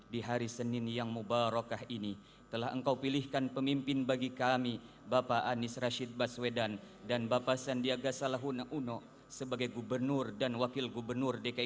di hari senin yang mubarokah ini telah engkau pilihkan pemimpin bagi kami bapak anies rashid baswedan dan bapak sandiaga salahud uno sebagai gubernur dan wakil gubernur dki jakarta